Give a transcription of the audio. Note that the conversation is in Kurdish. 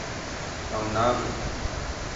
Ew nabin.